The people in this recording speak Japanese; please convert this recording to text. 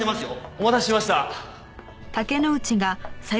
お待たせしました。